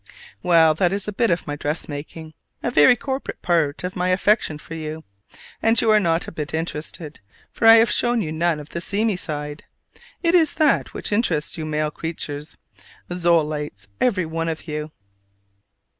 Well, that is a bit of my dress making, a very corporate part of my affection for you; and you are not a bit interested, for I have shown you none of the seamy side; it is that which interests you male creatures, Zolaites, every one of you.